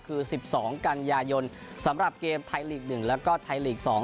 คือ๑๒กันยายนสำหรับเกมไทยลีก๑แล้วก็ไทยลีก๒